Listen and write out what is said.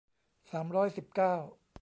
สามร้อยสิบเก้า